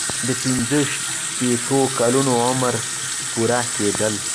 د پنځه شپیتو کلونو عمر پوره کیدل.